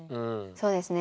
そうですね。